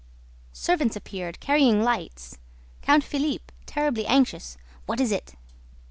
Servants appeared, carrying lights; Count Philippe, terribly anxious: "What is it?"